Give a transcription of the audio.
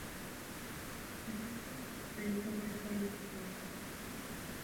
Edrychodd y cynorthwyydd ar silff.